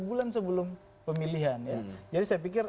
bulan sebelum pemilihan ya jadi saya pikir